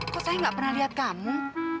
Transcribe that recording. kok saya gak pernah lihat kamu